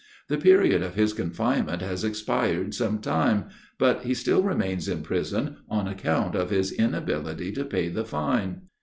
The period of his confinement has expired some time; but he still remains in prison, on account of his inability to pay the fine.